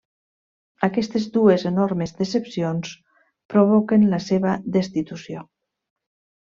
Aquestes dues enormes decepcions provoquen la seva destitució.